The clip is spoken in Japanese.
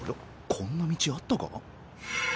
こんな道あったか？